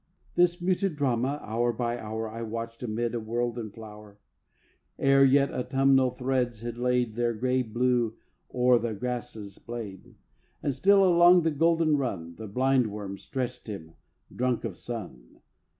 This muted drama, hour by hour, I watched amid a world in flower, Ere yet Autumnal threads had laid Their gray blue o'er the grass's blade, And still along the garden run The blindworm stretched him, drunk of sun.